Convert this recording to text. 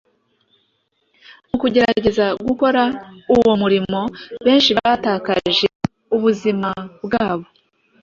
Mu kugerageza gukora uwo murimo, benshi batakaje ubuzima bwabo;